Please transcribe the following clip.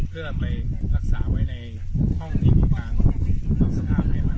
เพราะมันสำคัญเราต้องนำเนิดการอนุรักษ์